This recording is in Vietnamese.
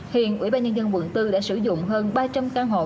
hiện ủy ban nhân dân quận bốn đã sử dụng hơn ba trăm linh căn hộ